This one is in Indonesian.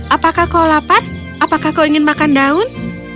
apakah kau lapar apakah kau ingin makan daun